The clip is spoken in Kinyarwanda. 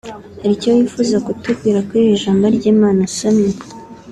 Hari icyo wifuza kutubwira kuri iri Jambo ry’Imana usomye